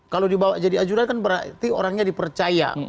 kalau dibawa jadi ajudan kan berarti orangnya dipercaya